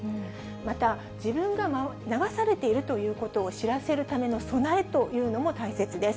また、自分が流されているということを知らせるための備えというのも大切です。